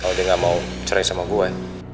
kalau dia gak mau cerai sama gue